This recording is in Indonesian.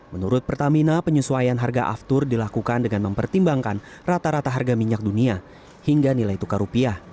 menurut pertamina penyesuaian harga aftur dilakukan dengan mempertimbangkan rata rata harga minyak dunia hingga nilai tukar rupiah